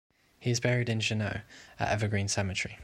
He is buried in Juneau at Evergreen Cemetery.